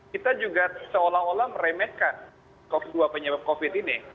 kita juga seolah olah meremehkan dua penyebab covid ini